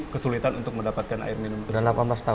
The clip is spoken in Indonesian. kesulitan untuk mendapatkan air minum